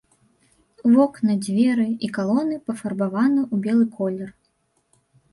Вокны, дзверы і калоны пафарбаваны ў белы колер.